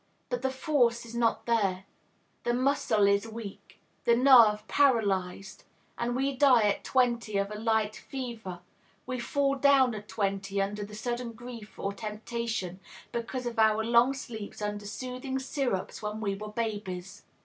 But the force is not there; the muscle is weak; the nerve paralyzed; and we die at twenty of a light fever, we fall down at twenty, under sudden grief or temptation, because of our long sleeps under soothing syrups when we were babies.